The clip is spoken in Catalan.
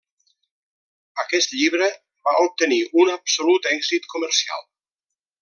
Aquest llibre va obtenir un absolut èxit comercial.